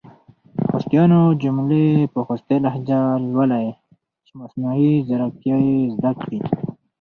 خوستیانو جملي په خوستې لهجه لولۍ چې مصنوعي ځیرکتیا یې زده کړې!